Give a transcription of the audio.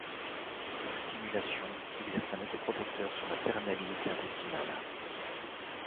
Sa stimulation exerce un effet protecteur sur la perméabilité intestinale.